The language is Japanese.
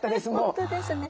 本当ですね。